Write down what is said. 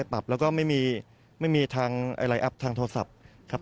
แล้วก็ไม่มีทางไลน์อัพทางโทรศัพท์